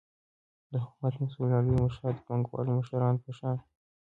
دحكومت مسؤل او لوى مشر دپانگوالو مشرانو په شان وخت نسي تيرولاى،